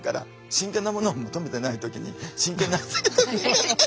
真剣なものを求めてない時に真剣な。